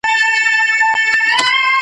پر سینه یې د تیرې مشوکي وار سو .